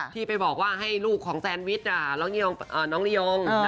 ที่ไปบอกว่าให้ลูกของแซนวิชน้องนิยม